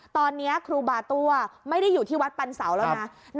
ตอนนี้ครูบาตั้วไม่ได้อยู่ที่วัดปันเสาแล้วนะ